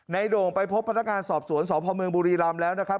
ในดงไปพบพนักงานสอบสวนสพมบุรีรามแล้วนะครับ